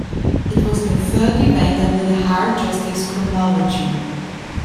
It was the third event under the Hard Justice chronology.